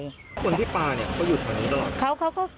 คนที่ปลาเขาอยู่ถนนี้ตลอด